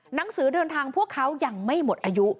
หนังสือเดินทางพวกเขายังไม่หมดอายุ